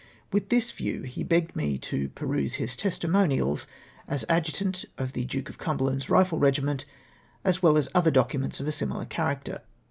With this view he begged me to peruse his testimo nials as Adjutant of the Duke of Cumberland's rifle regiment, as well as other documents of a similar character.